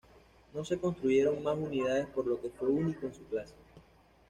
No se construyeron mas unidades por lo que fue único en su clase.